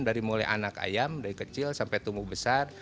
dari mulai anak ayam dari kecil sampai tumbuh besar